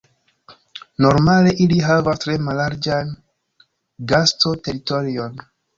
Normale ili havas tre mallarĝan gasto-teritorion.